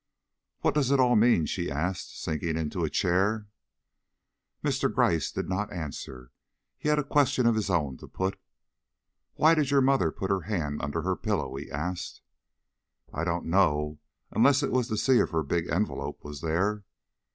"What does it all mean?" she asked, sinking into a chair. Mr. Gryce did not answer. He had a question of his own to put. "Why did your mother put her hand under her pillow?" he asked. "I don't know, unless it was to see if her big envelope was there."